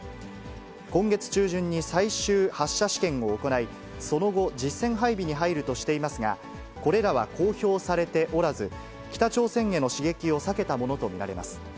今月中旬に最終発射試験を行い、その後、実戦配備に入るとしていますが、これらは公表されておらず、北朝鮮への刺激を避けたものと見られます。